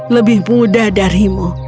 lebih muda darimu